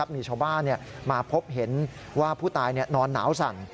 มีชาวบ้านมาพบเห็นว่าผู้ตายนอนหนาวสั่น